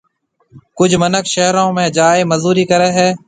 ڪجھ مِنک شھرون ۾ جائيَ مزوري ڪرَي ھيََََ